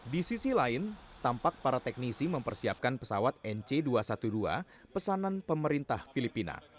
di sisi lain tampak para teknisi mempersiapkan pesawat nc dua ratus dua belas pesanan pemerintah filipina